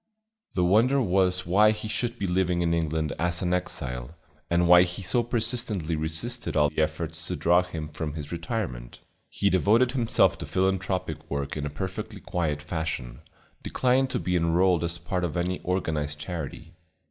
The wonder was why he should be living in England as an exile, and why he so persistently resisted all efforts to draw him from his retirement. He devoted himself to philanthropic work in a perfectly quiet fashion, declining to be enrolled as part of any organized charity.